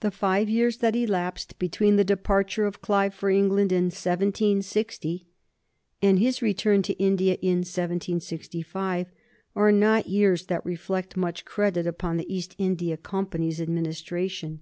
The five years that elapsed between the departure of Clive for England in 1760 and his return to India in 1765 are not years that reflect much credit upon the East India Company's administration.